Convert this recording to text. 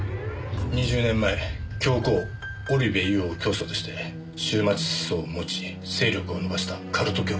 ２０年前教皇・織部イヨを教祖として終末思想を持ち勢力を伸ばしたカルト教団だ。